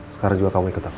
sekarang juga kamu ikut aku